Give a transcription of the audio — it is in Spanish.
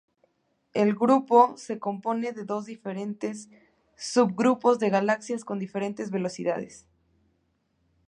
El grupo se compone de dos diferentes subgrupos de galaxias con diferentes velocidades.